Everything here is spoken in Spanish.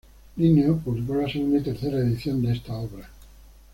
Linneo publicó la segunda y tercera edición de esta obra.